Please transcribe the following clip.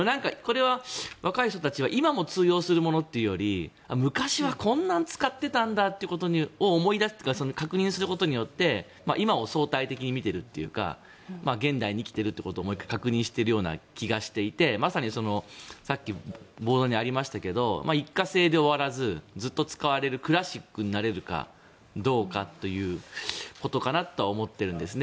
若者たちは今も通用するというより昔はこんなの使っていたんだということを思い出して確認することで今を相対的に見ているというか現代に生きてるということを確認しているような気がしてまさにさっきボードにありましたが一過性に終わらずずっと使われるクラシックになれるかどうかということかなと思っているんです。